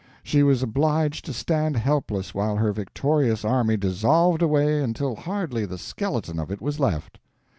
She was obliged to stand helpless while her victorious army dissolved away until hardly the skeleton of it was left.